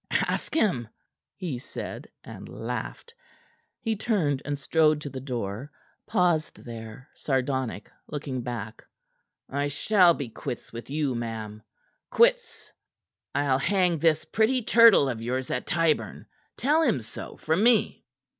"Ask him," he said, and laughed. He turned and strode to the door. Paused there, sardonic, looking back. "I shall be quits with you, ma'am. Quits! I'll hang this pretty turtle of yours at Tyburn. Tell him so from me."